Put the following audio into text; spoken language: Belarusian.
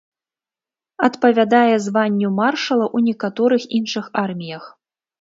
Адпавядае званню маршала ў некаторых іншых арміях.